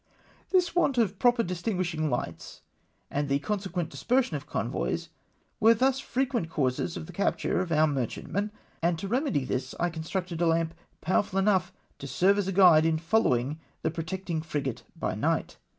This want of proper distinguisliing hghts, and the con sequent dispersion of convoys, were thus frequent causes of the capture of our merchantmen, and to remedy tliis I constructed a lamp powerful enough to serve as a guide in following the protecting frigate by night.